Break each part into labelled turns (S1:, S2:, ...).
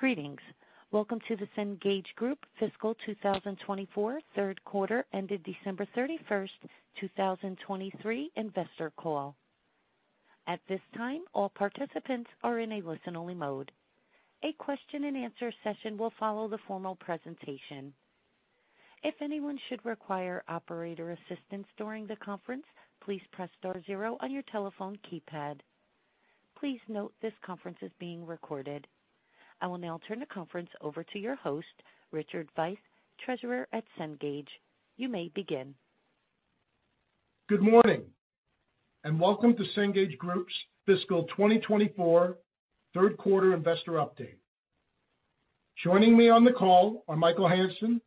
S1: Greetings. Welcome to the Cengage Group Fiscal 2024 third quarter, ended December 31, 2023 investor call. At this time, all participants are in a listen-only mode. A question and answer session will follow the formal presentation. If anyone should require operator assistance during the conference, please press star zero on your telephone keypad. Please note, this conference is being recorded. I will now turn the conference over to your host, Richard Veith, Treasurer at Cengage. You may begin.
S2: Good morning, and welcome to Cengage Group's fiscal 2024 third quarter investor update. Joining me on the call are Michael Hansen,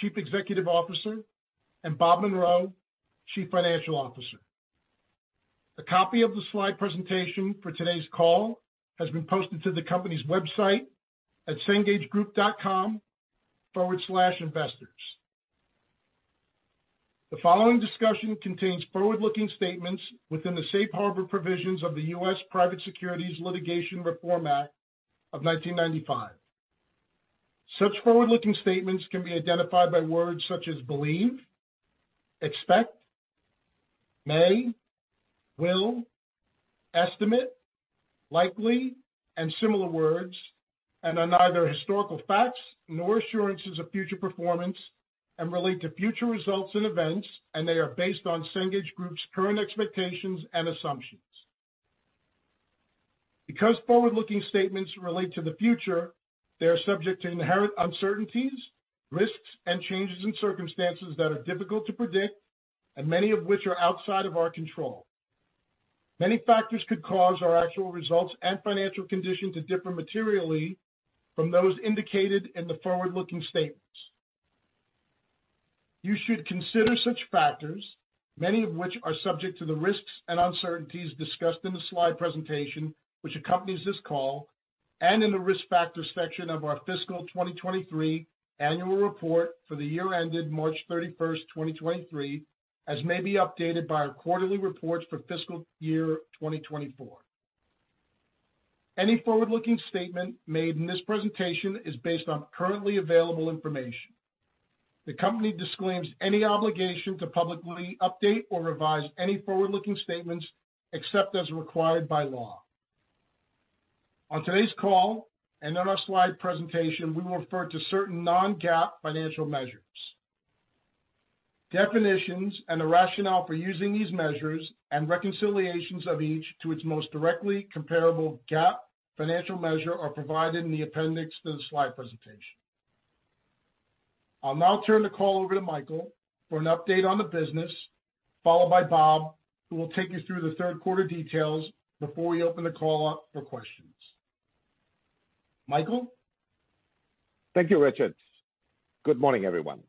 S2: Chief Executive Officer, and Bob Munro, Chief Financial Officer. A copy of the slide presentation for today's call has been posted to the company's website at cengagegroup.com/investors. The following discussion contains forward-looking statements within the Safe Harbor provisions of the US Private Securities Litigation Reform Act of 1995. Such forward-looking statements can be identified by words such as believe, expect, may, will, estimate, likely, and similar words, and are neither historical facts nor assurances of future performance and relate to future results and events, and they are based on Cengage Group's current expectations and assumptions. Because forward-looking statements relate to the future, they are subject to inherent uncertainties, risks, and changes in circumstances that are difficult to predict and many of which are outside of our control. Many factors could cause our actual results and financial condition to differ materially from those indicated in the forward-looking statements. You should consider such factors, many of which are subject to the risks and uncertainties discussed in the slide presentation which accompanies this call, and in the Risk Factors section of our fiscal 2023 annual report for the year ended March 31, 2023, as may be updated by our quarterly reports for fiscal year 2024. Any forward-looking statement made in this presentation is based on currently available information. The company disclaims any obligation to publicly update or revise any forward-looking statements, except as required by law. On today's call and in our slide presentation, we will refer to certain non-GAAP financial measures. Definitions and the rationale for using these measures and reconciliations of each to its most directly comparable GAAP financial measure are provided in the appendix to the slide presentation. I'll now turn the call over to Michael for an update on the business, followed by Bob, who will take you through the third quarter details before we open the call up for questions. Michael?
S3: Thank you, Richard. Good morning, everyone.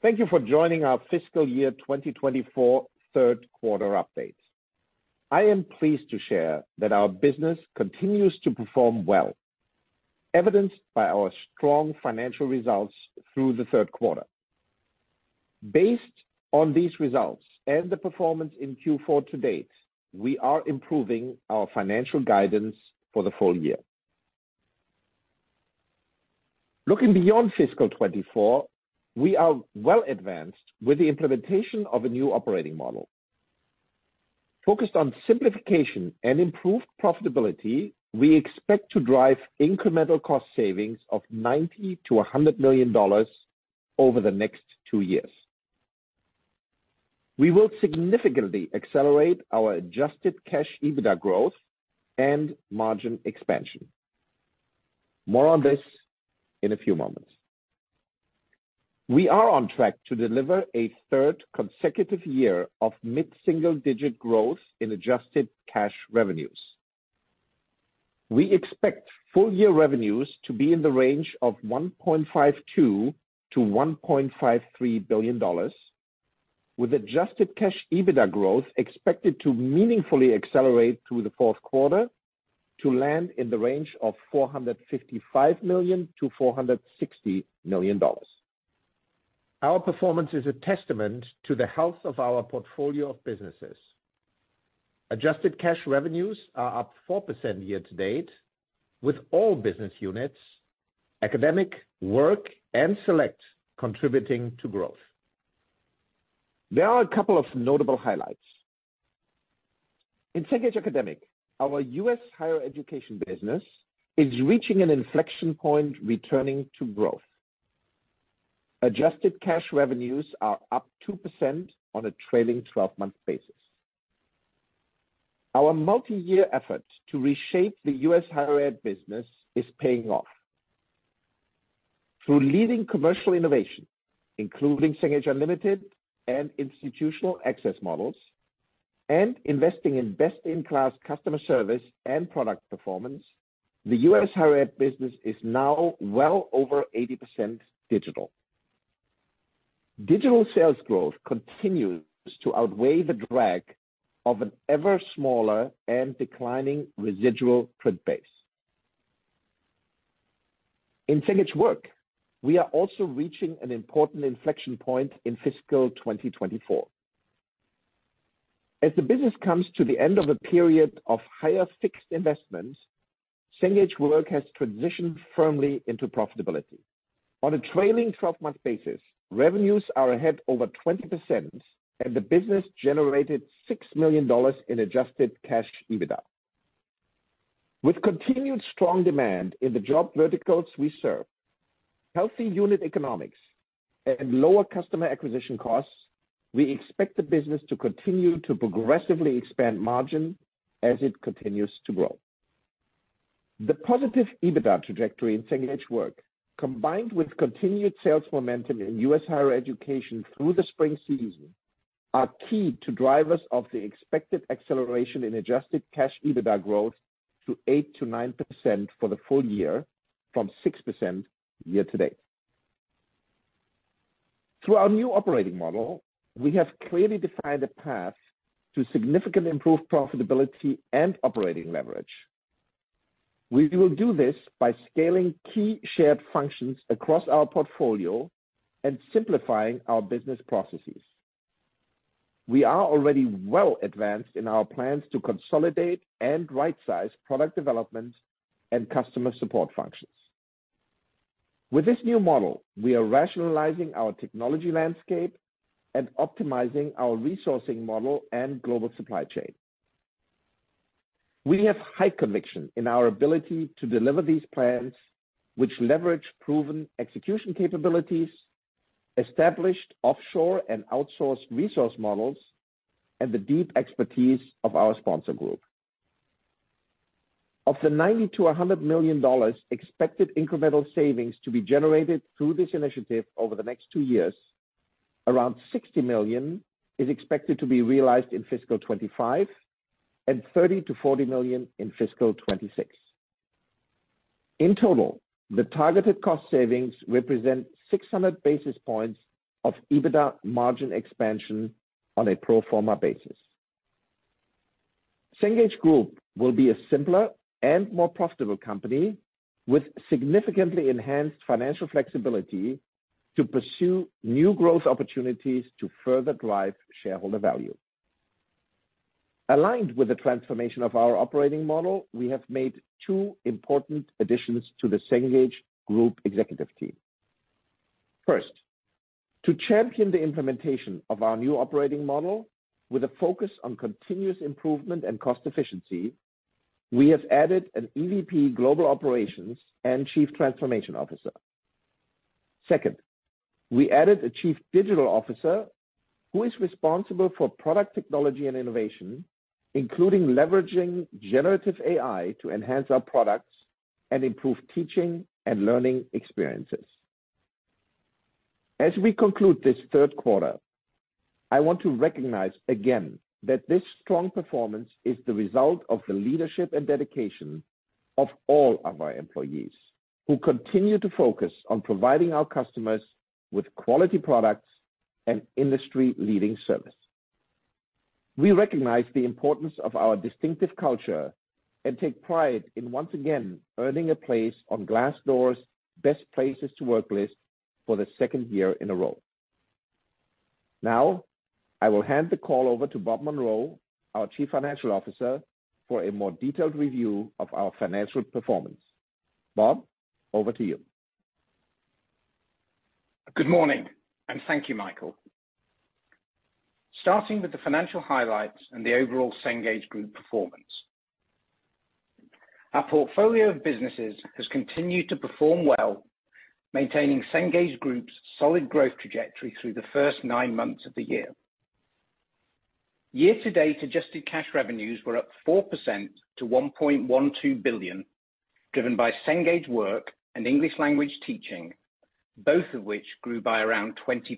S3: Thank you for joining our fiscal year 2024 third quarter update. I am pleased to share that our business continues to perform well, evidenced by our strong financial results through the third quarter. Based on these results and the performance in Q4 to date, we are improving our financial guidance for the full year. Looking beyond fiscal 2024, we are well advanced with the implementation of a new operating model. Focused on simplification and improved profitability, we expect to drive incremental cost savings of $90 million-$100 million over the next two years. We will significantly accelerate our adjusted Cash EBITDA growth and margin expansion. More on this in a few moments. We are on track to deliver a third consecutive year of mid-single-digit growth in adjusted cash revenues. We expect full-year revenues to be in the range of $1.52-$1.53 billion, with adjusted cash EBITDA growth expected to meaningfully accelerate through the fourth quarter to land in the range of $455 million-$460 million. Our performance is a testament to the health of our portfolio of businesses. adjusted cash revenues are up 4% year to date, with all business units, Academic, Work, and Select, contributing to growth. There are a couple of notable highlights. In Cengage Academic, our U.S. higher education business is reaching an inflection point, returning to growth. Adjusted cash revenues are up 2% on a trailing twelve-month basis. Our multi-year effort to reshape the U.S. higher ed business is paying off. Through leading commercial innovation, including Cengage Unlimited and institutional access models, and investing in best-in-class customer service and product performance, the U.S. higher ed business is now well over 80% digital. Digital sales growth continues to outweigh the drag of an ever smaller and declining residual print base. In Cengage Work, we are also reaching an important inflection point in fiscal 2024. As the business comes to the end of a period of higher fixed investments, Cengage Work has transitioned firmly into profitability. On a trailing twelve-month basis, revenues are ahead over 20%, and the business generated $6 million in adjusted Cash EBITDA. With continued strong demand in the job verticals we serve, healthy unit economics, and lower customer acquisition costs, we expect the business to continue to progressively expand margin as it continues to grow. The positive EBITDA trajectory in Cengage Work, combined with continued sales momentum in U.S. higher education through the spring season, are key to drivers of the expected acceleration in adjusted cash EBITDA growth to 8%-9% for the full year, from 6% year-to-date. Through our new operating model, we have clearly defined a path to significantly improve profitability and operating leverage. We will do this by scaling key shared functions across our portfolio and simplifying our business processes. We are already well advanced in our plans to consolidate and right-size product development and customer support functions. With this new model, we are rationalizing our technology landscape and optimizing our resourcing model and global supply chain. We have high conviction in our ability to deliver these plans, which leverage proven execution capabilities, established offshore and outsourced resource models, and the deep expertise of our sponsor group. Of the $90 million-$100 million expected incremental savings to be generated through this initiative over the next 2 years, around $60 million is expected to be realized in fiscal 2025, and $30 million-$40 million in fiscal 2026. In total, the targeted cost savings represent 600 basis points of EBITDA margin expansion on a pro forma basis. Cengage Group will be a simpler and more profitable company, with significantly enhanced financial flexibility to pursue new growth opportunities to further drive shareholder value. Aligned with the transformation of our operating model, we have made two important additions to the Cengage Group executive team. First, to champion the implementation of our new operating model with a focus on continuous improvement and cost efficiency, we have added an EVP, Global Operations and Chief Transformation Officer. Second, we added a Chief Digital Officer, who is responsible for product technology and innovation, including leveraging generative AI to enhance our products and improve teaching and learning experiences. As we conclude this third quarter, I want to recognize again that this strong performance is the result of the leadership and dedication of all of our employees, who continue to focus on providing our customers with quality products and industry-leading service. We recognize the importance of our distinctive culture and take pride in, once again, earning a place on Glassdoor's Best Places to Work list for the second year in a row. Now, I will hand the call over to Bob Munro, our Chief Financial Officer, for a more detailed review of our financial performance. Bob, over to you.
S4: Good morning, and thank you, Michael. Starting with the financial highlights and the overall Cengage Group performance. Our portfolio of businesses has continued to perform well, maintaining Cengage Group's solid growth trajectory through the first nine months of the year. Year-to-date, adjusted cash revenues were up 4% to $1.12 billion, driven by Cengage Work and English language teaching, both of which grew by around 20%.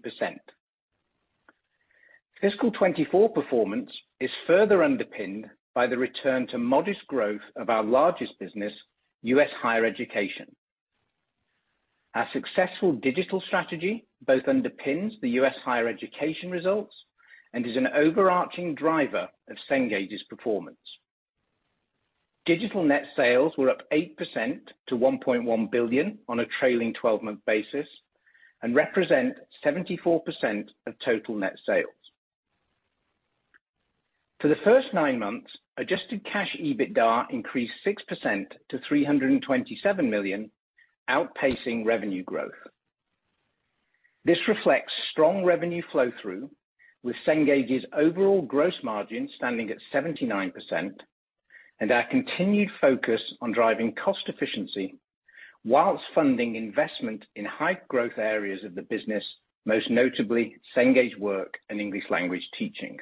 S4: Fiscal 2024 performance is further underpinned by the return to modest growth of our largest business, U.S. higher education. Our successful digital strategy both underpins the U.S. higher education results and is an overarching driver of Cengage's performance. Digital net sales were up 8% to $1.1 billion on a trailing twelve-month basis and represent 74% of total net sales. For the first nine months, adjusted cash EBITDA increased 6% to $327 million, outpacing revenue growth. This reflects strong revenue flow through, with Cengage's overall gross margin standing at 79%, and our continued focus on driving cost efficiency while funding investment in high growth areas of the business, most notably Cengage Work and English language teaching.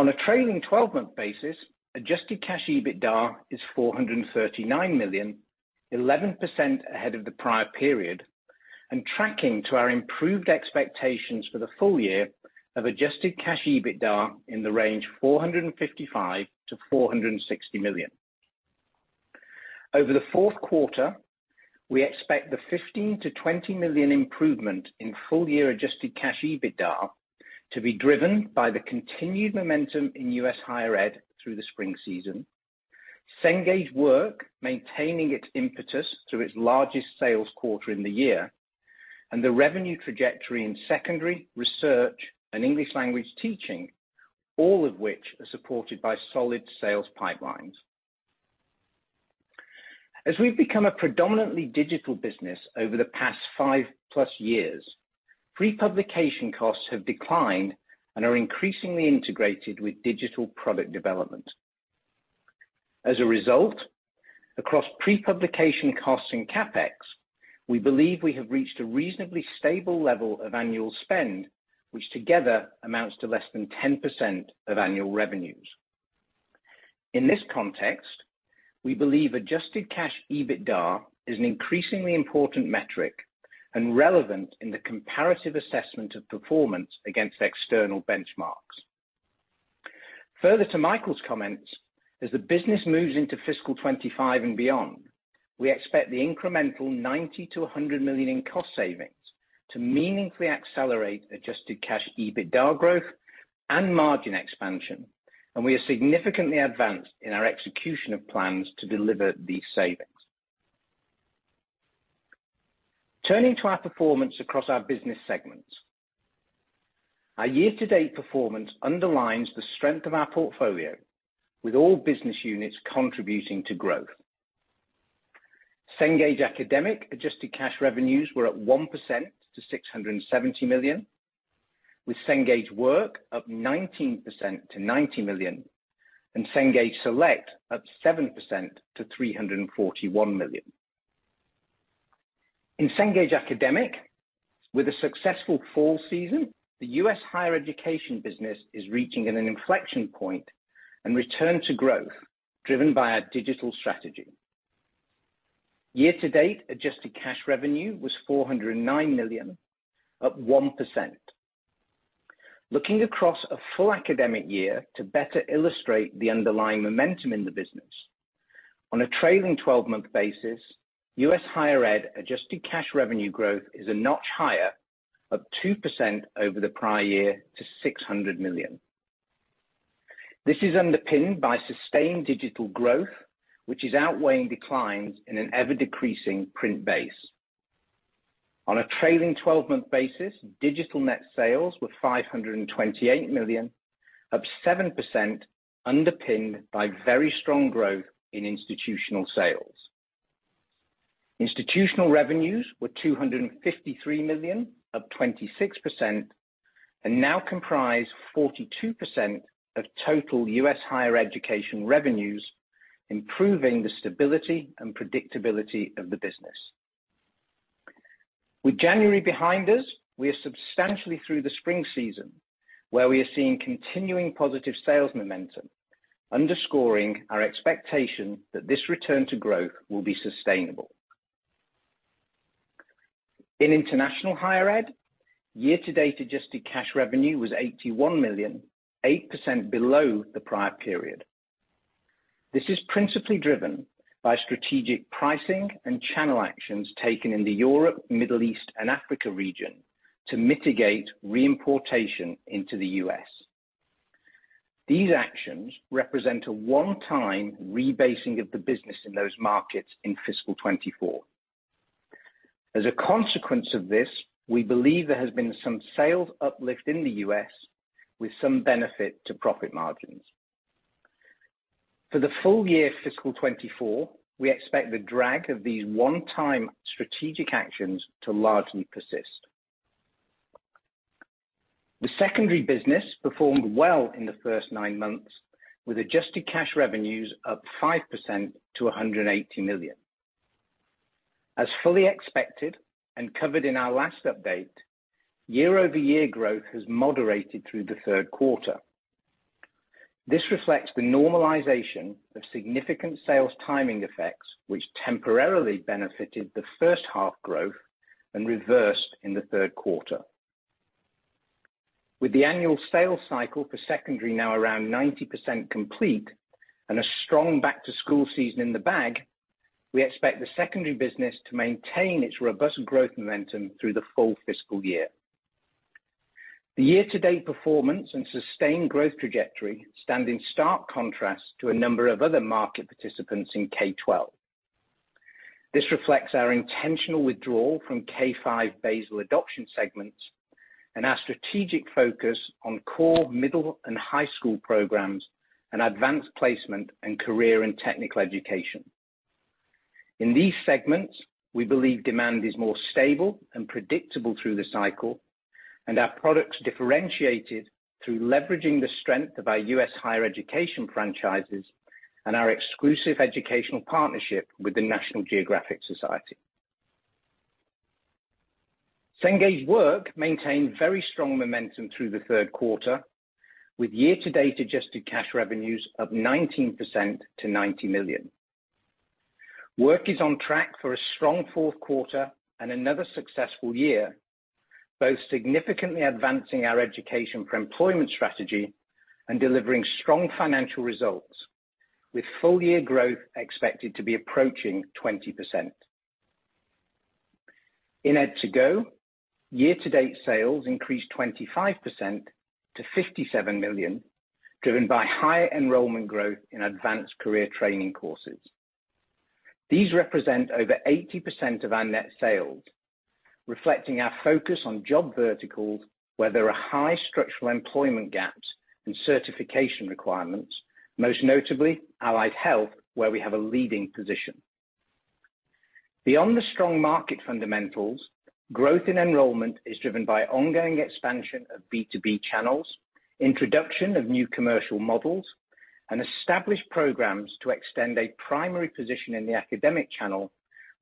S4: On a trailing twelve-month basis, adjusted cash EBITDA is $439 million, 11% ahead of the prior period, and tracking to our improved expectations for the full year of adjusted cash EBITDA in the range $455 million-$460 million. Over the fourth quarter, we expect the $15 million-$20 million improvement in full-year adjusted cash EBITDA to be driven by the continued momentum in U.S. higher ed through the spring season.... Cengage Work maintaining its impetus through its largest sales quarter in the year, and the revenue trajectory in secondary research and English language teaching, all of which are supported by solid sales pipelines. As we've become a predominantly digital business over the past five-plus years, pre-publication costs have declined and are increasingly integrated with digital product development. As a result, across pre-publication costs and CapEx, we believe we have reached a reasonably stable level of annual spend, which together amounts to less than 10% of annual revenues. In this context, we believe adjusted Cash EBITDA is an increasingly important metric and relevant in the comparative assessment of performance against external benchmarks. Further to Michael's comments, as the business moves into fiscal 2025 and beyond, we expect the incremental $90 million-$100 million in cost savings to meaningfully accelerate adjusted Cash EBITDA growth and margin expansion, and we are significantly advanced in our execution of plans to deliver these savings. Turning to our performance across our business segments. Our year-to-date performance underlines the strength of our portfolio, with all business units contributing to growth. Cengage Academic adjusted Cash Revenues were at 1% to $670 million, with Cengage Work up 19% to $90 million, and Cengage Select up 7% to $341 million. In Cengage Academic, with a successful fall season, the U.S. higher education business is reaching at an inflection point and return to growth, driven by our digital strategy. Year to date, adjusted Cash Revenue was $409 million, up 1%. Looking across a full academic year to better illustrate the underlying momentum in the business, on a trailing twelve-month basis, U.S. higher ed adjusted Cash Revenue growth is a notch higher, up 2% over the prior year to $600 million. This is underpinned by sustained digital growth, which is outweighing declines in an ever-decreasing print base. On a trailing twelve-month basis, digital net sales were $528 million, up 7%, underpinned by very strong growth in institutional sales. Institutional revenues were $253 million, up 26%, and now comprise 42% of total U.S. higher education revenues, improving the stability and predictability of the business. With January behind us, we are substantially through the spring season, where we are seeing continuing positive sales momentum, underscoring our expectation that this return to growth will be sustainable. In international higher ed, year-to-date adjusted cash revenue was $81 million, 8% below the prior period. This is principally driven by strategic pricing and channel actions taken in the Europe, Middle East, and Africa region to mitigate reimportation into the U.S. These actions represent a one-time rebasing of the business in those markets in fiscal 2024. As a consequence of this, we believe there has been some sales uplift in the U.S. with some benefit to profit margins. For the full year fiscal 2024, we expect the drag of these one-time strategic actions to largely persist. The secondary business performed well in the first 9 months, with adjusted cash revenues up 5% to $180 million. As fully expected and covered in our last update, year-over-year growth has moderated through the third quarter. This reflects the normalization of significant sales timing effects, which temporarily benefited the first half growth and reversed in the third quarter. With the annual sales cycle for secondary now around 90% complete and a strong back-to-school season in the bag, we expect the secondary business to maintain its robust growth momentum through the full fiscal year. The year-to-date performance and sustained growth trajectory stand in stark contrast to a number of other market participants in K-12. This reflects our intentional withdrawal from K-5 basal Adoption segments and our strategic focus on core middle and high school programs and Advanced Placement in career and technical education. In these segments, we believe demand is more stable and predictable through the cycle, and our products differentiated through leveraging the strength of our U.S. higher education franchises and our exclusive educational partnership with the National Geographic Society. Cengage Work maintained very strong momentum through the third quarter, with year-to-date adjusted cash revenues of 19% to $90 million. Work is on track for a strong fourth quarter and another successful year, both significantly advancing our education for employment strategy and delivering strong financial results, with full year growth expected to be approaching 20%. In ed2go, year-to-date sales increased 25% to $57 million, driven by higher enrollment growth in advanced career training courses. These represent over 80% of our net sales, reflecting our focus on job verticals where there are high structural employment gaps and certification requirements, most notably Allied Health, where we have a leading position. Beyond the strong market fundamentals, growth in enrollment is driven by ongoing expansion of B2B channels, introduction of new commercial models, and established programs to extend a primary position in the academic channel,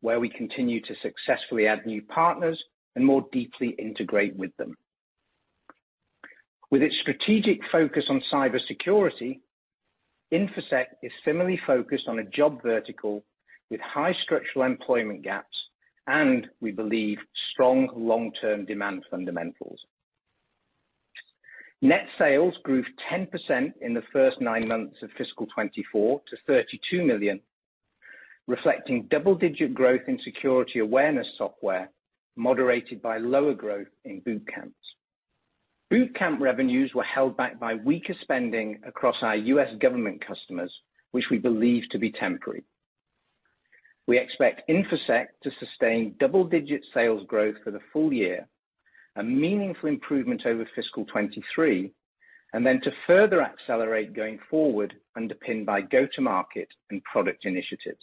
S4: where we continue to successfully add new partners and more deeply integrate with them. With its strategic focus on cybersecurity, Infosec is similarly focused on a job vertical with high structural employment gaps and, we believe, strong long-term demand fundamentals. Net sales grew 10% in the first nine months of fiscal 2024 to $32 million, reflecting double-digit growth in security awareness software, moderated by lower growth in boot camps. Boot camp revenues were held back by weaker spending across our U.S. government customers, which we believe to be temporary. We expect Infosec to sustain double-digit sales growth for the full year, a meaningful improvement over fiscal 2023, and then to further accelerate going forward, underpinned by go-to-market and product initiatives.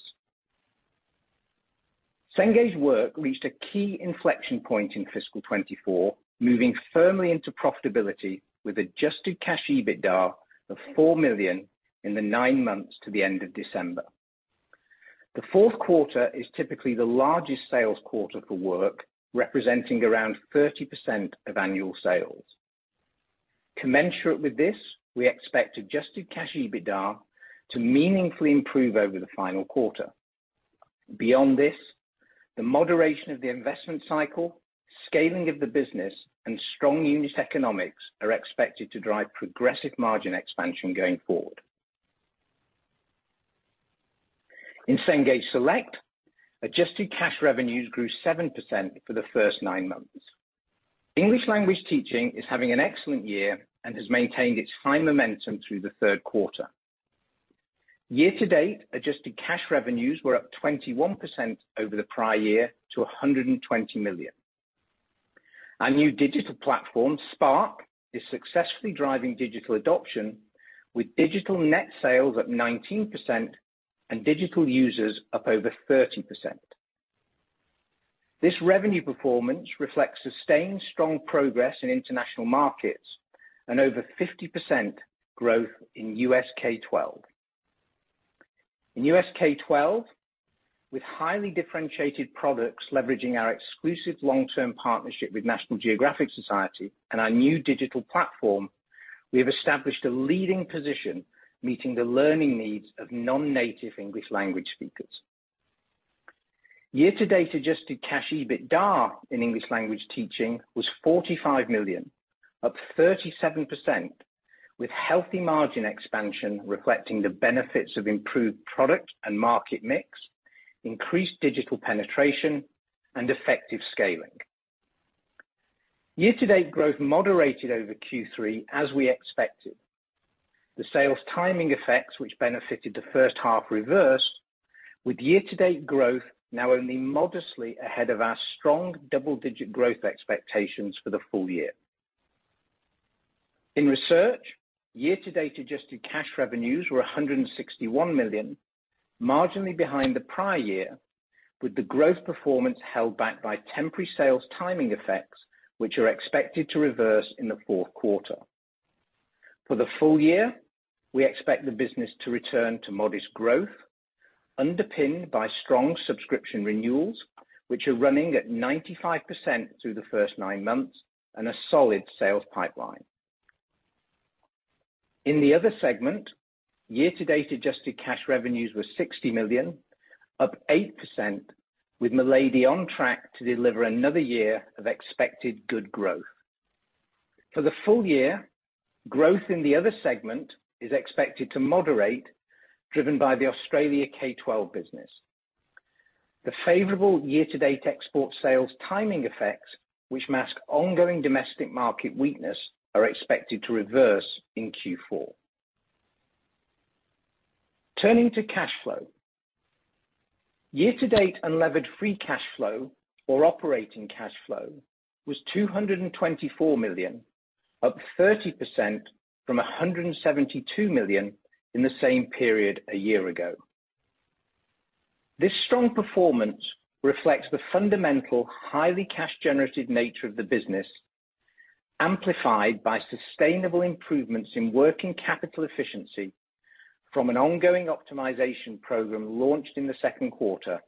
S4: Cengage Work reached a key inflection point in fiscal 2024, moving firmly into profitability with adjusted Cash EBITDA of $4 million in the nine months to the end of December. The fourth quarter is typically the largest sales quarter for Work, representing around 30% of annual sales. Commensurate with this, we expect adjusted Cash EBITDA to meaningfully improve over the final quarter. Beyond this, the moderation of the investment cycle, scaling of the business, and strong unit economics are expected to drive progressive margin expansion going forward. In Cengage Select, adjusted cash revenues grew 7% for the first nine months. English language teaching is having an excellent year and has maintained its high momentum through the third quarter. Year to date, adjusted cash revenues were up 21% over the prior year to $120 million. Our new digital platform, Spark, is successfully driving digital adoption, with digital net sales up 19% and digital users up over 30%. This revenue performance reflects sustained strong progress in international markets and over 50% growth in U.S. K-12. In U.S. K-12, with highly differentiated products leveraging our exclusive long-term partnership with National Geographic Society and our new digital platform, we have established a leading position, meeting the learning needs of non-native English language speakers. Year to date, adjusted Cash EBITDA in English language teaching was $45 million, up 37%, with healthy margin expansion, reflecting the benefits of improved product and market mix, increased digital penetration, and effective scaling. Year-to-date growth moderated over Q3 as we expected. The sales timing effects, which benefited the first half reverse, with year-to-date growth now only modestly ahead of our strong double-digit growth expectations for the full year. In research, year to date, adjusted Cash revenues were $161 million, marginally behind the prior year, with the growth performance held back by temporary sales timing effects, which are expected to reverse in the fourth quarter. For the full year, we expect the business to return to modest growth, underpinned by strong subscription renewals, which are running at 95% through the first nine months and a solid sales pipeline. In the other segment, year-to-date, adjusted cash revenues were $60 million, up 8%, with Milady on track to deliver another year of expected good growth. For the full year, growth in the other segment is expected to moderate, driven by the Australia K-12 business. The favorable year-to-date export sales timing effects, which mask ongoing domestic market weakness, are expected to reverse in Q4. Turning to cash flow. Year-to-date, unlevered free cash flow or operating cash flow was $224 million, up 30% from $172 million in the same period a year ago. This strong performance reflects the fundamental, highly cash generative nature of the business, amplified by sustainable improvements in working capital efficiency from an ongoing optimization program launched in the second quarter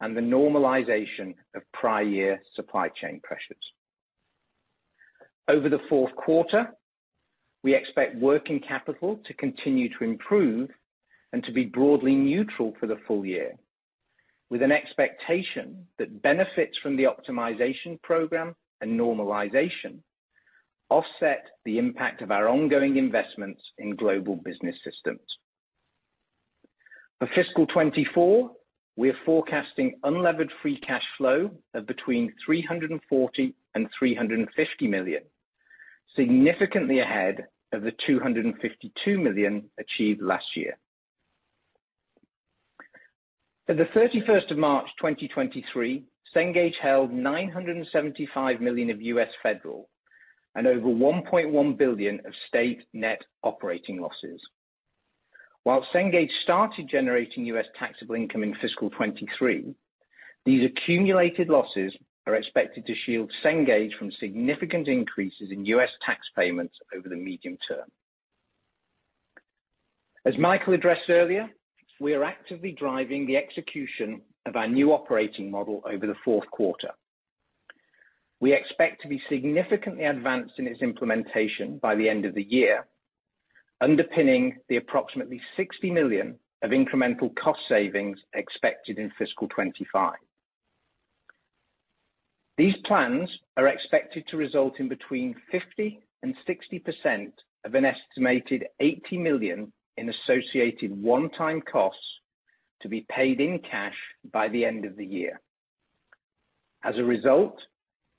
S4: and the normalization of prior year supply chain pressures. Over the fourth quarter, we expect working capital to continue to improve and to be broadly neutral for the full year, with an expectation that benefits from the optimization program and normalization offset the impact of our ongoing investments in global business systems. For fiscal 2024, we are forecasting unlevered free cash flow of between $340 million and $350 million, significantly ahead of the $252 million achieved last year. At the March 31, 2023, Cengage held $975 million of U.S. federal and over $1.1 billion of state net operating losses. While Cengage started generating U.S. taxable income in fiscal 2023, these accumulated losses are expected to shield Cengage from significant increases in U.S. tax payments over the medium term. As Michael addressed earlier, we are actively driving the execution of our new operating model over the fourth quarter. We expect to be significantly advanced in its implementation by the end of the year, underpinning the approximately $60 million of incremental cost savings expected in fiscal 2025. These plans are expected to result in between 50% and 60% of an estimated $80 million in associated one-time costs to be paid in cash by the end of the year. As a result,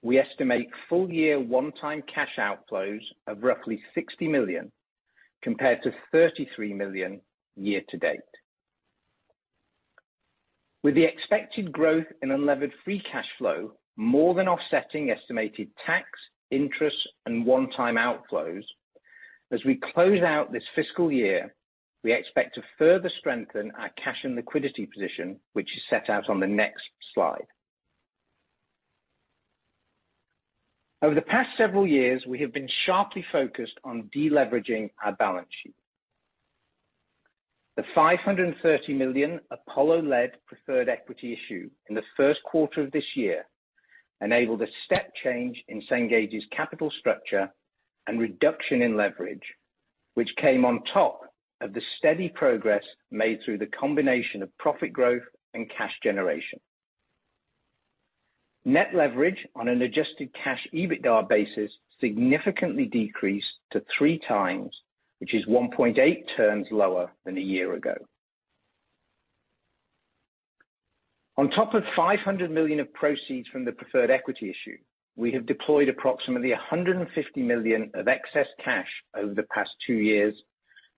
S4: we estimate full-year one-time cash outflows of roughly $60 million, compared to $33 million year-to-date. With the expected growth in unlevered free cash flow, more than offsetting estimated tax, interest, and one-time outflows, as we close out this fiscal year, we expect to further strengthen our cash and liquidity position, which is set out on the next slide. Over the past several years, we have been sharply focused on deleveraging our balance sheet. The $530 million Apollo-led preferred equity issue in the first quarter of this year enabled a step change in Cengage's capital structure and reduction in leverage, which came on top of the steady progress made through the combination of profit growth and cash generation. Net leverage on an adjusted Cash EBITDA basis significantly decreased to 3x, which is 1.8x lower than a year ago. On top of $500 million of proceeds from the preferred equity issue, we have deployed approximately $150 million of excess cash over the past two years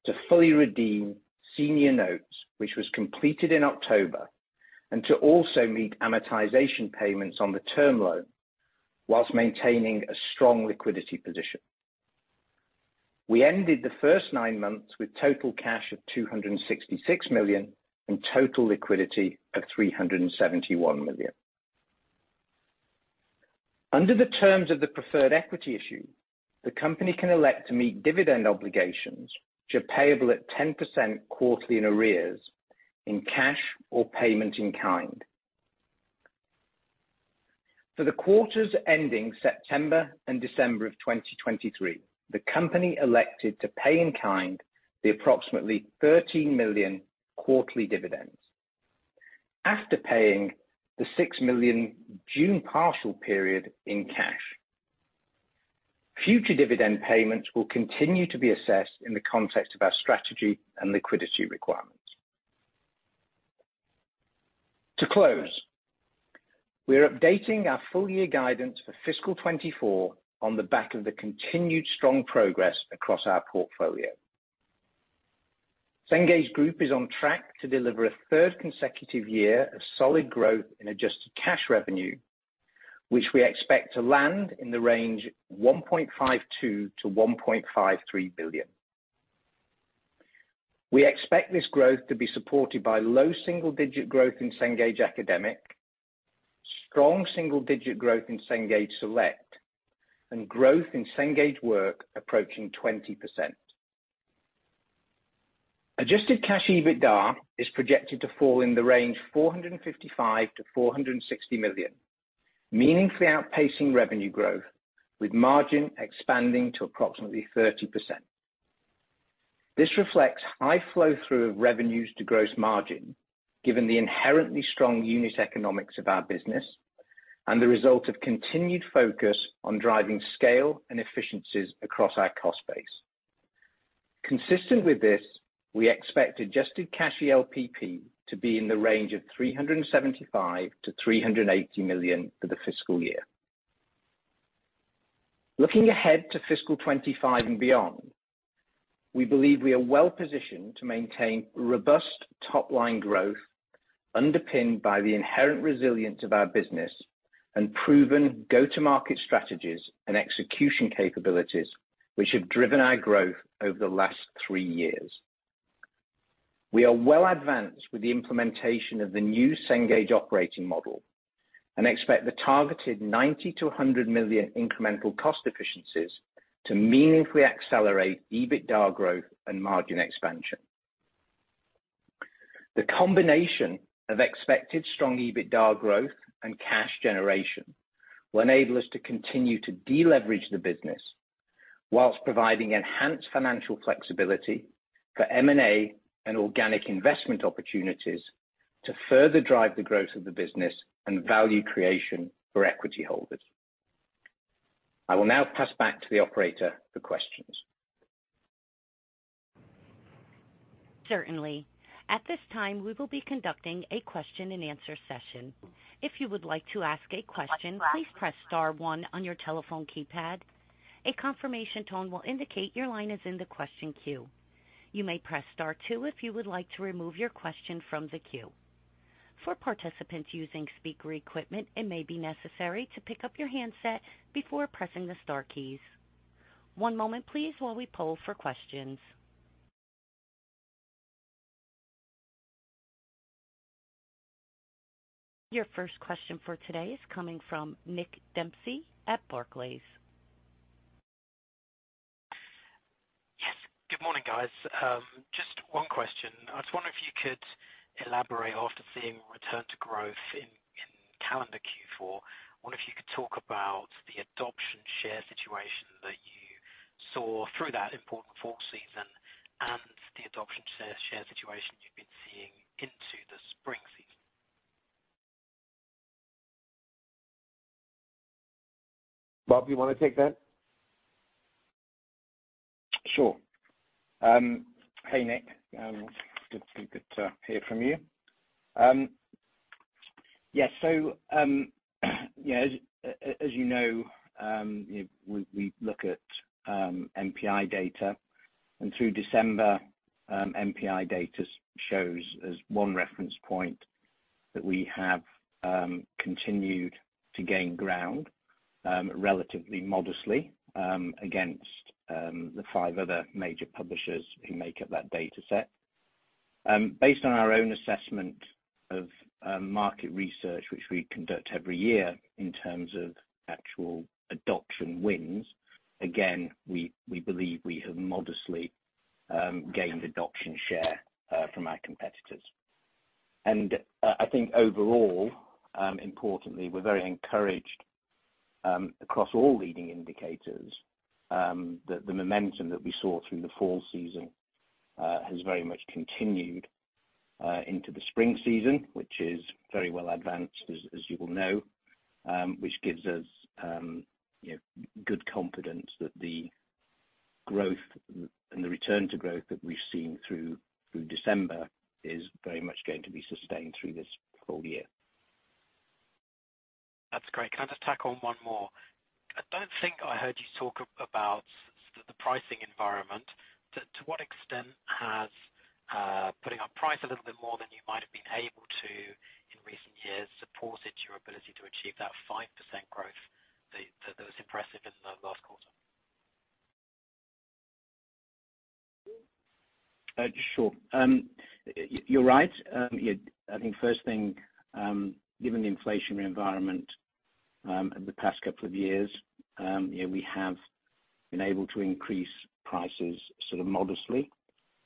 S4: to fully redeem senior notes, which was completed in October, and to also meet amortization payments on the term loan, while maintaining a strong liquidity position. We ended the first nine months with total cash of $266 million, and total liquidity of $371 million. Under the terms of the preferred equity issue, the company can elect to meet dividend obligations, which are payable at 10% quarterly in arrears, in cash or payment-in-kind. For the quarters ending September and December of 2023, the company elected to pay in kind the approximately $13 million quarterly dividends. After paying the $6 million June partial period in cash, future dividend payments will continue to be assessed in the context of our strategy and liquidity requirements. To close, we are updating our full year guidance for fiscal 2024 on the back of the continued strong progress across our portfolio. Cengage Group is on track to deliver a third consecutive year of solid growth in adjusted Cash Revenue, which we expect to land in the range $1.52-$1.53 billion. We expect this growth to be supported by low single digit growth in Cengage Academic, strong single digit growth in Cengage Select, and growth in Cengage Work approaching 20%. adjusted Cash EBITDA is projected to fall in the range $455-$460 million, meaningfully outpacing revenue growth, with margin expanding to approximately 30%. This reflects high flow through of revenues to gross margin, given the inherently strong unit economics of our business and the result of continued focus on driving scale and efficiencies across our cost base. Consistent with this, we expect Adjusted Cash ELPP to be in the range of $375 million-$380 million for the fiscal year. Looking ahead to fiscal 2025 and beyond, we believe we are well positioned to maintain robust top-line growth, underpinned by the inherent resilience of our business and proven go-to-market strategies and execution capabilities, which have driven our growth over the last three years. We are well advanced with the implementation of the new Cengage operating model and expect the targeted $90 million-$100 million incremental cost efficiencies to meaningfully accelerate EBITDA growth and margin expansion. The combination of expected strong EBITDA growth and cash generation will enable us to continue to deleverage the business, while providing enhanced financial flexibility for M&A and organic investment opportunities to further drive the growth of the business and value creation for equity holders.... I will now pass back to the operator for questions.
S1: Certainly. At this time, we will be conducting a question and answer session. If you would like to ask a question, please press star one on your telephone keypad. A confirmation tone will indicate your line is in the question queue. You may press star two if you would like to remove your question from the queue. For participants using speaker equipment, it may be necessary to pick up your handset before pressing the star keys. One moment please, while we poll for questions. Your first question for today is coming from Nick Dempsey at Barclays.
S5: Yes, good morning, guys. Just one question. I was wondering if you could elaborate after seeing return to growth in calendar Q4. I wonder if you could talk about the adoption share situation that you saw through that important fall season and the adoption share situation you've been seeing into the spring season?
S3: Bob, you want to take that?
S4: Sure. Hey, Nick, good to hear from you. Yes, so, yeah, as you know, you know, we look at MPI data, and through December, MPI data shows as one reference point that we have continued to gain ground, relatively modestly, against the five other major publishers who make up that data set. Based on our own assessment of market research, which we conduct every year in terms of actual adoption wins, again, we believe we have modestly gained adoption share from our competitors. And I think overall, importantly, we're very encouraged across all leading indicators that the momentum that we saw through the fall season has very much continued into the spring season, which is very well advanced as you will know. which gives us, you know, good confidence that the growth and the return to growth that we've seen through December is very much going to be sustained through this whole year.
S5: That's great. Can I just tack on one more? I don't think I heard you talk about the pricing environment. To what extent has putting up price a little bit more than you might have been able to in recent years supported your ability to achieve that 5% growth that was impressive in the last quarter?
S4: Sure. You're right. Yeah, I think first thing, given the inflationary environment over the past couple of years, you know, we have been able to increase prices sort of modestly,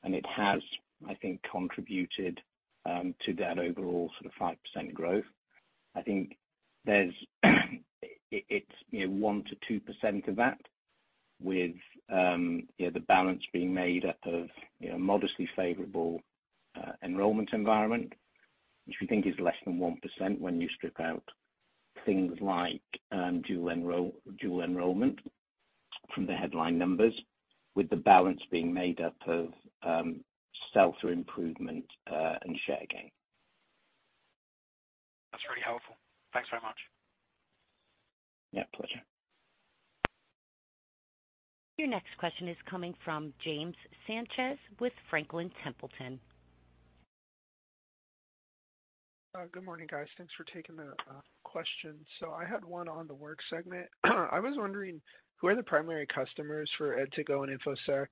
S4: and it has, I think, contributed to that overall sort of 5% growth. I think there's, it's, you know, 1%-2% of that with, you know, the balance being made up of, you know, modestly favorable enrollment environment, which we think is less than 1% when you strip out things like dual enrollment from the headline numbers, with the balance being made up of sell through improvement and share gain.
S5: That's very helpful. Thanks very much.
S4: Yeah, pleasure.
S1: Your next question is coming from James Sanchez with Franklin Templeton.
S6: Good morning, guys. Thanks for taking the question. So I had one on the work segment. I was wondering, who are the primary customers for ed2go and Infosec?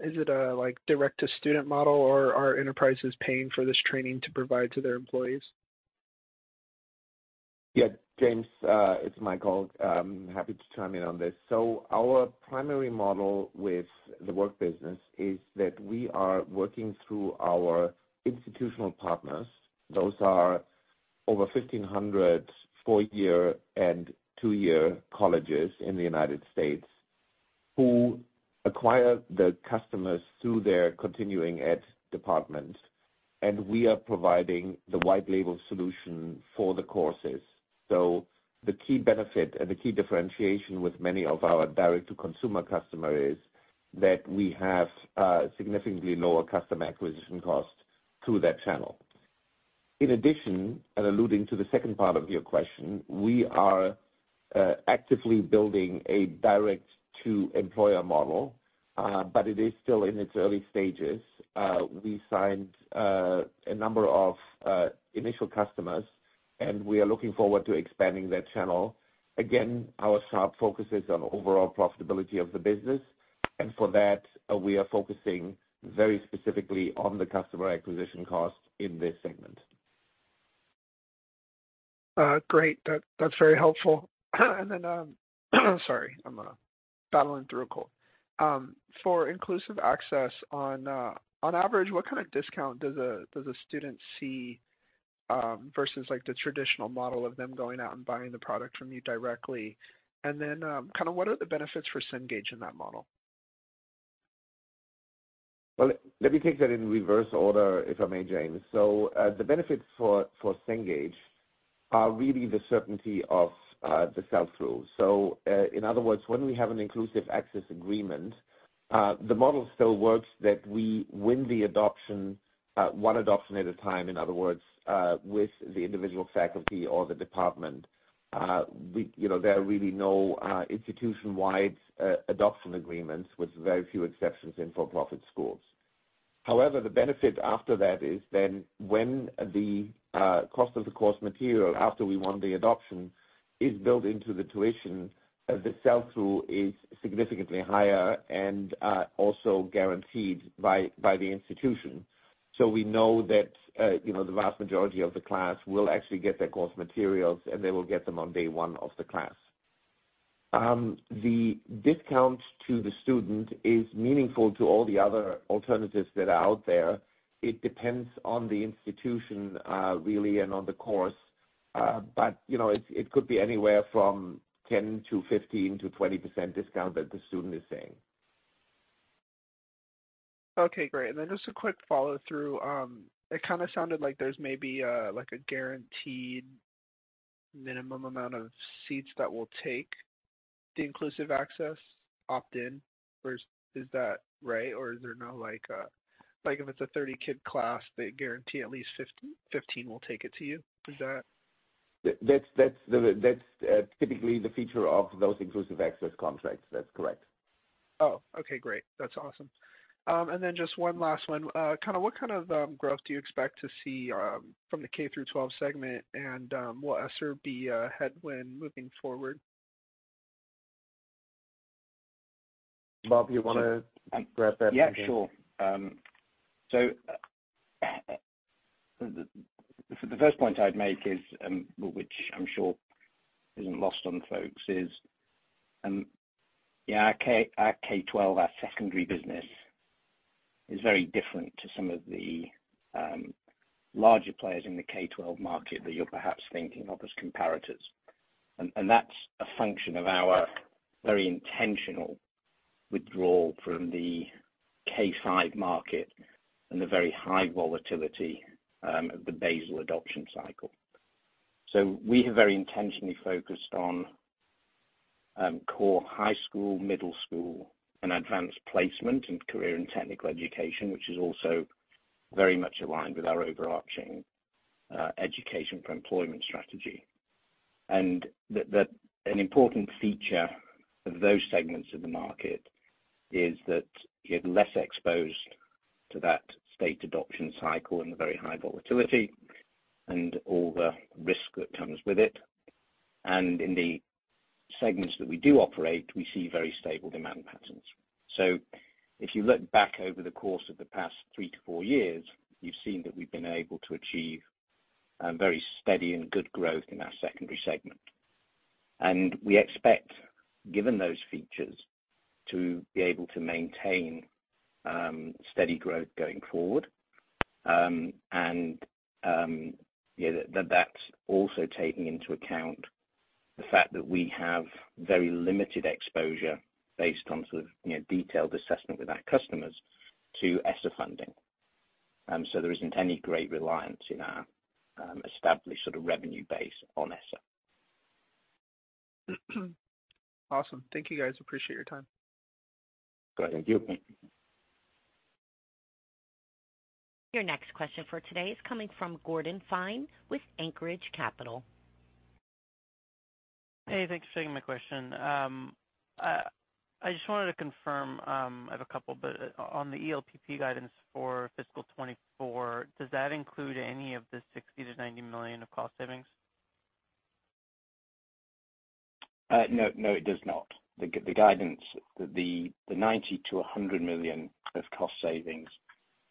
S6: Is it a, like, direct-to-student model, or are enterprises paying for this training to provide to their employees?
S3: Yeah, James, it's Michael. I'm happy to chime in on this. So our primary model with the work business is that we are working through our institutional partners. Those are over 1,500 four-year and two-year colleges in the United States, who acquire the customers through their continuing ed department, and we are providing the white label solution for the courses. So the key benefit and the key differentiation with many of our direct-to-consumer customer is that we have significantly lower customer acquisition costs through that channel. In addition, and alluding to the second part of your question, we are actively building a direct-to-employer model, but it is still in its early stages. We signed a number of initial customers, and we are looking forward to expanding that channel. Again, our sharp focus is on overall profitability of the business, and for that, we are focusing very specifically on the customer acquisition costs in this segment.
S7: Great. That's very helpful. And then, sorry, I'm battling through a cold. For Inclusive Access, on average, what kind of discount does a student see versus like the traditional model of them going out and buying the product from you directly? And then, kind of what are the benefits for Cengage in that model?...
S3: Well, let me take that in reverse order, if I may, James. So, the benefits for Cengage are really the certainty of the sell-through. So, in other words, when we have an Inclusive Access agreement, the model still works that we win the adoption, one adoption at a time, in other words, with the individual faculty or the department. We, you know, there are really no institution-wide adoption agreements, with very few exceptions in for-profit schools. However, the benefit after that is then when the cost of the course material, after we won the adoption, is built into the tuition, the sell-through is significantly higher and also guaranteed by the institution. So we know that, you know, the vast majority of the class will actually get their course materials, and they will get them on day one of the class. The discount to the student is meaningful to all the other alternatives that are out there. It depends on the institution, really, and on the course. But, you know, it could be anywhere from 10%-20% discount that the student is saying.
S7: Okay, great. Then just a quick follow-through. It kind of sounded like there's maybe, like a guaranteed minimum amount of seats that will take the Inclusive Access opt-in. Or is that right, or is there not like a—like, if it's a 30-kid class, they guarantee at least 15 will take it to you? Is that-
S3: That's typically the feature of those Inclusive Access contracts. That's correct.
S6: Oh, okay, great. That's awesome. And then just one last one. Kind of, what kind of growth do you expect to see from the K through 12 segment? And, will ESSER be a headwind moving forward?
S3: Bob, you wanna grab that?
S4: Yeah, sure. So, the first point I'd make is, which I'm sure isn't lost on folks, is, yeah, our K-12, our secondary business, is very different to some of the larger players in the K-12 market that you're perhaps thinking of as comparators. And that's a function of our very intentional withdrawal from the K-5 market and the very high volatility of the basal adoption cycle. So we have very intentionally focused on core high school, middle school, and Advanced Placement in career and technical education, which is also very much aligned with our overarching education for employment strategy. And that's an important feature of those segments of the market is that you're less exposed to that state adoption cycle and the very high volatility and all the risk that comes with it. In the segments that we do operate, we see very stable demand patterns. So if you look back over the course of the past 3-4 years, you've seen that we've been able to achieve very steady and good growth in our secondary segment. And we expect, given those features, to be able to maintain steady growth going forward. And yeah, that's also taking into account the fact that we have very limited exposure based on sort of, you know, detailed assessment with our customers to ESSER funding. So there isn't any great reliance in our established sort of revenue base on ESSER.
S6: Awesome. Thank you, guys. Appreciate your time.
S3: Great. Thank you.
S1: Your next question for today is coming from Gordon Fine with Anchorage Capital.
S8: Hey, thanks for taking my question. I just wanted to confirm, I have a couple, but on the ELPP guidance for fiscal 2024, does that include any of the $60 million-$90 million of cost savings?
S4: No, no, it does not. The guidance, the $90 million-$100 million of cost savings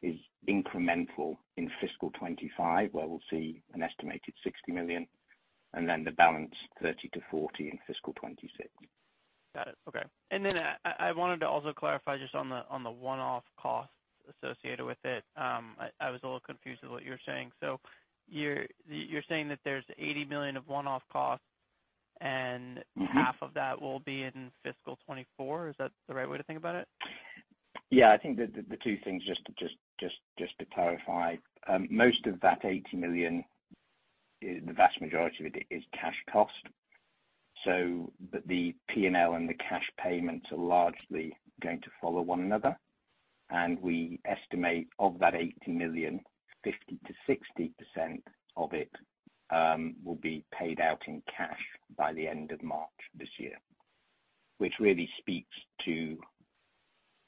S4: is incremental in fiscal 2025, where we'll see an estimated $60 million, and then the balance, $30 million-$40 million, in fiscal 2026.
S8: Got it. Okay. And then I wanted to also clarify just on the one-off costs associated with it. I was a little confused with what you were saying. So you're saying that there's $80 million of one-off costs, and-
S4: Mm-hmm...
S8: half of that will be in fiscal 2024? Is that the right way to think about it?
S4: Yeah, I think that the two things, just to clarify, most of that $80 million, the vast majority of it is cash cost, so the P&L and the cash payments are largely going to follow one another. And we estimate, of that $80 million, 50%-60% of it will be paid out in cash by the end of March this year, which really speaks to, you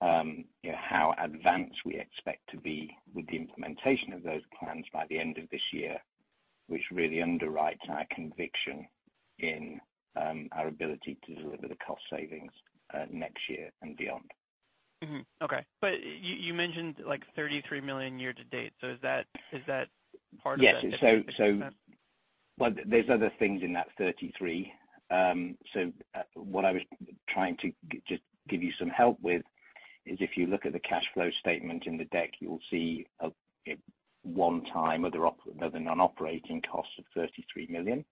S4: know, how advanced we expect to be with the implementation of those plans by the end of this year, which really underwrites our conviction in our ability to deliver the cost savings next year and beyond.
S8: Mm-hmm. Okay. But you, you mentioned, like, $33 million year to date. So is that, is that part of that?
S4: Yes. Well, there's other things in that 33. So, what I was trying to just give you some help with is, if you look at the cash flow statement in the deck, you'll see a one-time, other non-operating costs of $33 million.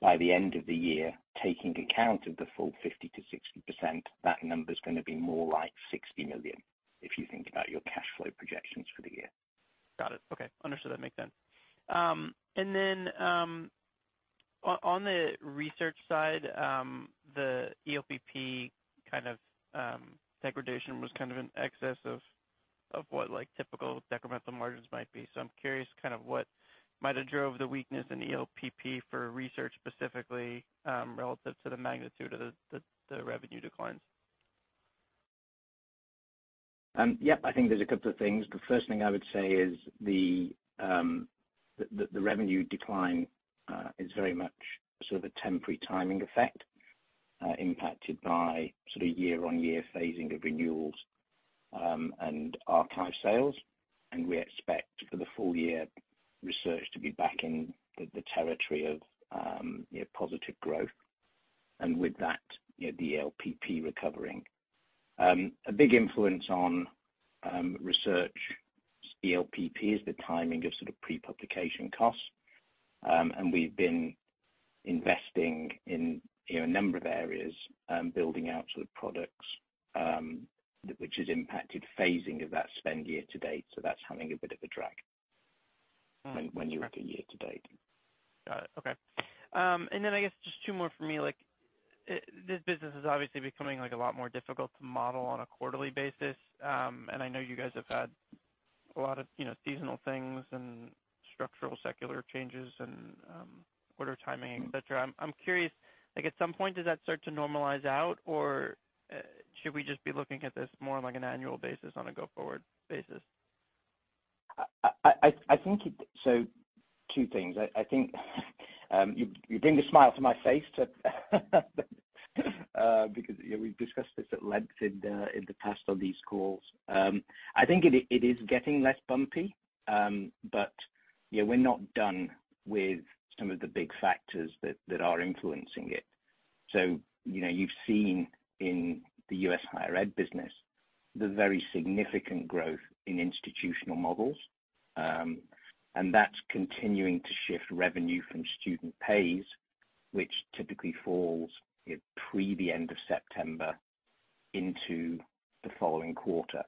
S4: By the end of the year, taking account of the full 50%-60%, that number is gonna be more like $60 million, if you think about your cash flow projections for the year.
S8: Got it. Okay. Understood, that makes sense. And then, on the research side, the ELPP kind of degradation was kind of in excess of what, like, typical decremental margins might be. So I'm curious kind of what might have drove the weakness in ELPP for research specifically, relative to the magnitude of the revenue declines?
S4: Yeah, I think there's a couple of things. The first thing I would say is the revenue decline is very much sort of a temporary timing effect, impacted by sort of year-on-year phasing of renewals and archive sales. And we expect for the full year revenue to be back in the territory of, you know, positive growth. And with that, you know, the ELPP recovering. A big influence on revenue EBITDA is the timing of sort of pre-publication costs. And we've been investing in, you know, a number of areas, building out sort of products, which has impacted phasing of that spend year to date, so that's having a bit of a drag-
S8: Mm.
S4: When you look at year to date.
S8: Got it. Okay. And then I guess just two more for me. Like, this business is obviously becoming, like, a lot more difficult to model on a quarterly basis. And I know you guys have had a lot of, you know, seasonal things and structural secular changes and, order timing, et cetera. I'm, I'm curious, like, at some point, does that start to normalize out, or, should we just be looking at this more on, like, an annual basis on a go-forward basis?
S4: I think it, so two things. I think you bring a smile to my face, but because, you know, we've discussed this at length in the past on these calls. I think it is getting less bumpy, but, you know, we're not done with some of the big factors that are influencing it. So, you know, you've seen in the U.S. higher ed business, the very significant growth in institutional models, and that's continuing to shift revenue from student pays, which typically falls, you know, pre the end of September into the following quarter.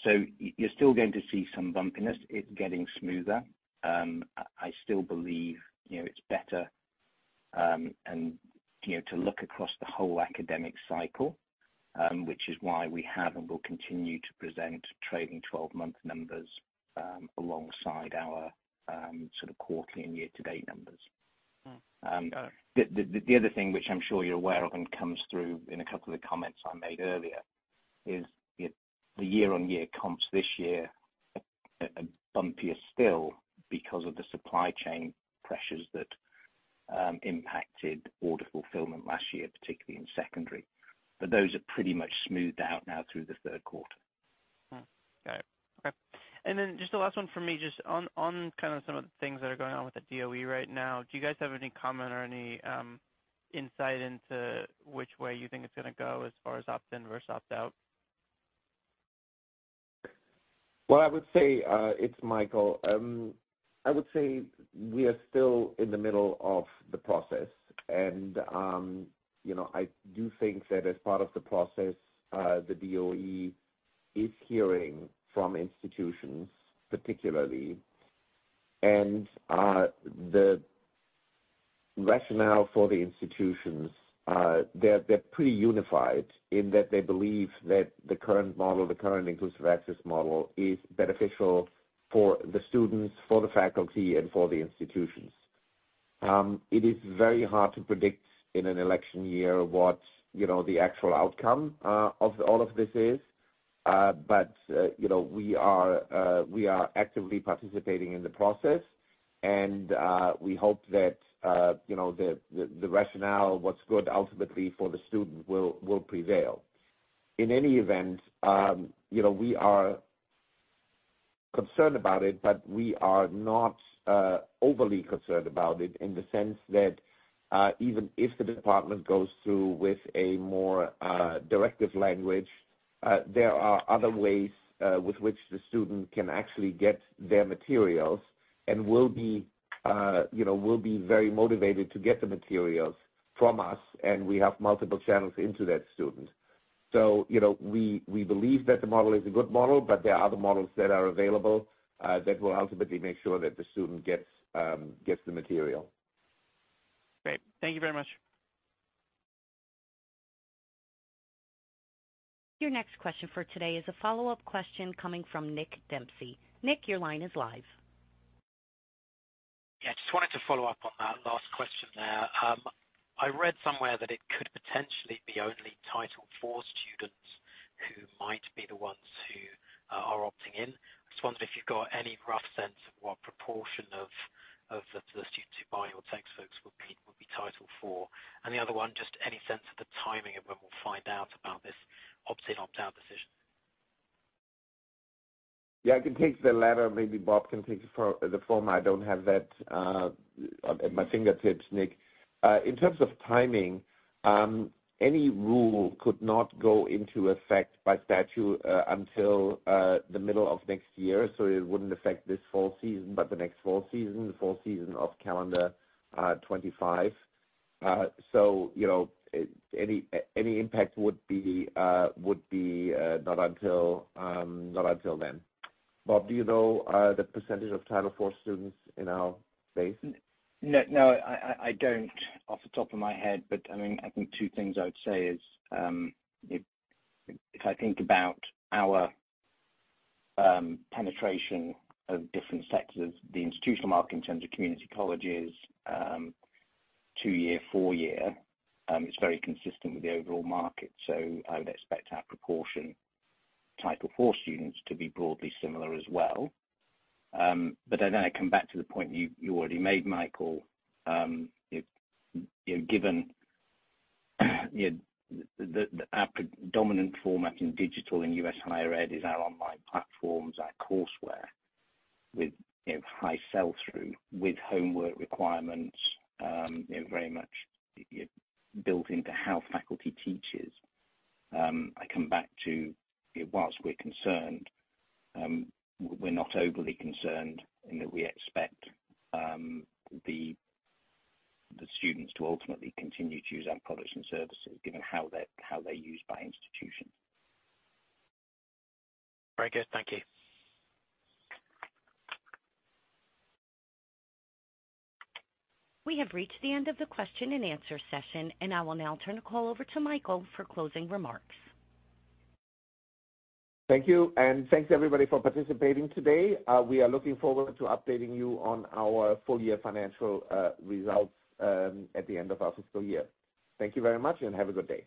S4: So you're still going to see some bumpiness. It's getting smoother. I still believe, you know, it's better, and, you know, to look across the whole academic cycle, which is why we have and will continue to present trailing 12-month numbers, alongside our sort of quarterly and year-to-date numbers.
S8: Mm. Got it.
S4: The other thing, which I'm sure you're aware of, and comes through in a couple of the comments I made earlier, is the year-on-year comps this year are bumpier still because of the supply chain pressures that impacted order fulfillment last year, particularly in secondary. But those are pretty much smoothed out now through the third quarter.
S8: Got it. Okay. And then just the last one for me, just on kind of some of the things that are going on with the DOE right now, do you guys have any comment or any insight into which way you think it's gonna go as far as opt-in versus opt-out?
S3: Well, I would say, it's Michael. I would say we are still in the middle of the process, and you know, I do think that as part of the process, the DOE is hearing from institutions, particularly. And the rationale for the institutions, they're, they're pretty unified in that they believe that the current model, the current Inclusive Access model, is beneficial for the students, for the faculty, and for the institutions. It is very hard to predict in an election year what, you know, the actual outcome of all of this is. But you know, we are, we are actively participating in the process, and we hope that, you know, the, the, the rationale, what's good ultimately for the student will, will prevail. In any event, you know, we are concerned about it, but we are not overly concerned about it in the sense that even if the department goes through with a more directive language, there are other ways with which the student can actually get their materials and will be, you know, will be very motivated to get the materials from us, and we have multiple channels into that student. So, you know, we believe that the model is a good model, but there are other models that are available that will ultimately make sure that the student gets the material.
S8: Great. Thank you very much.
S1: Your next question for today is a follow-up question coming from Nick Dempsey. Nick, your line is live.
S5: Yeah, just wanted to follow up on that last question there. I read somewhere that it could potentially be only Title IV students who might be the ones who are opting in. I just wondered if you've got any rough sense of what proportion of the students who buy your textbooks would be Title IV? And the other one, just any sense of the timing of when we'll find out about this opt-in, opt-out decision?
S3: Yeah, I can take the latter. Maybe Bob can take the former. I don't have that at my fingertips, Nick. In terms of timing, any rule could not go into effect by statute until the middle of next year, so it wouldn't affect this fall season, but the next fall season, the fall season of calendar 2025. So, you know, it, any, any impact would be would be not until then. Bob, do you know the percentage of Title IV students in our base?
S4: No, no, I don't off the top of my head, but I mean, I think two things I would say is, if I think about our penetration of different sectors, the institutional market in terms of community colleges, two-year, four-year, it's very consistent with the overall market. So I would expect our proportion Title IV students to be broadly similar as well. But then I come back to the point you already made, Michael. You know, given, you know, our dominant format in digital and U.S. higher ed is our online platforms, our courseware with, you know, high sell-through, with homework requirements, you know, very much built into how faculty teaches. I come back to, while we're concerned, we're not overly concerned in that we expect the students to ultimately continue to use our products and services given how they're used by institutions.
S5: Very good. Thank you.
S1: We have reached the end of the question and answer session, and I will now turn the call over to Michael for closing remarks.
S3: Thank you, and thanks everybody for participating today. We are looking forward to updating you on our full year financial results at the end of our fiscal year. Thank you very much, and have a good day.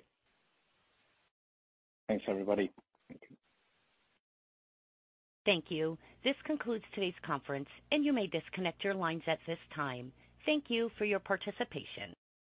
S4: Thanks, everybody. Thank you.
S1: Thank you. This concludes today's conference, and you may disconnect your lines at this time. Thank you for your participation.